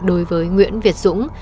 đối với nguyễn việt dũng